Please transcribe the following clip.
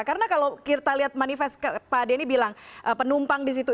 karena kalau kita lihat manifest pak denny bilang penumpang di situ